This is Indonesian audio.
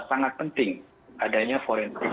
sangat penting adanya foreign